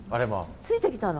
ついてきたの？